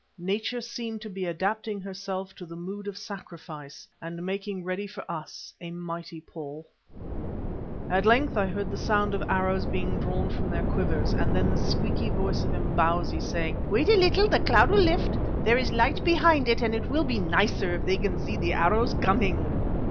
Nature seemed to be adapting herself to the mood of sacrifice and making ready for us a mighty pall. At length I heard the sound of arrows being drawn from their quivers, and then the squeaky voice of Imbozwi, saying: "Wait a little, the cloud will lift. There is light behind it, and it will be nicer if they can see the arrows coming."